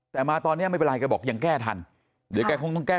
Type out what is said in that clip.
แต่มาตอนเนี้ยไม่เป็นไรแกบอกยังแก้ทันเดี๋ยวแกคงต้องแก้